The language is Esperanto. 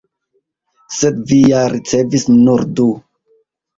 Sed vi ja ricevis nur du!